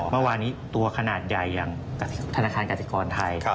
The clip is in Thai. เมื่อวานนี้ตัวขนาดใหญ่อย่างธนาคารกสิกรไทย